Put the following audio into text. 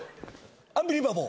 アンビリバボー。